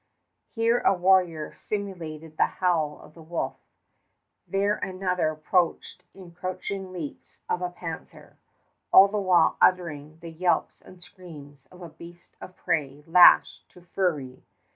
Here a warrior simulated the howl of the wolf. There another approached in the crouching leaps of a panther, all the while uttering the yelps and screams of a beast of prey lashed to fury.